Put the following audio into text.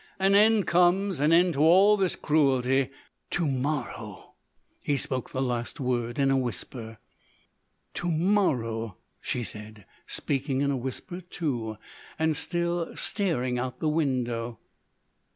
An end comes, an end to all this cruelty.... To morrow." He spoke the last word in a whisper. "To morrow," she said, speaking in a whisper too, and still staring out of the window.